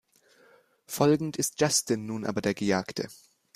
Folgend ist Justin nun aber der Gejagte.